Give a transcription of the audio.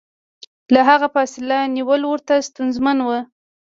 له هغه فاصله نیول ورته ستونزمن و.